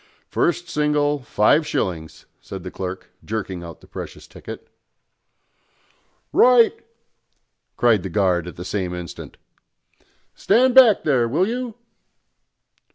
"First single, five shillings," said the clerk, jerking out the precious ticket. "Right!" cried the guard at the same instant. "Stand back there, will you!"